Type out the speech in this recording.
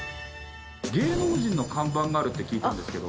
芸能人の看板があるって聞いたんですけど。